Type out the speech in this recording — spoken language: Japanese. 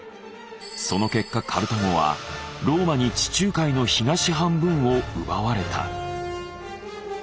その結果カルタゴはローマに地中海の東半分を奪われた。